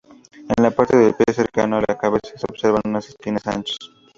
En la parte del pie cercano a la cabeza se observan unas esquinas anchas.